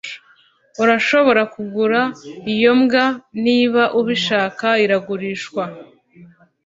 Urashobora kugura iyo mbwa niba ubishaka Iragurishwa